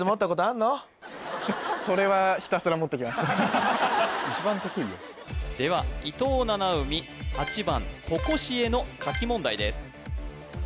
それはでは伊藤七海８番とこしえの書き問題です